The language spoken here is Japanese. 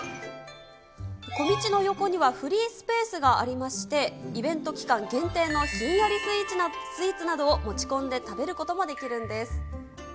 小道の横にはフリースペースがありまして、イベント期間限定のひんやりスイーツなどを持ち込んで食べることもできるんです。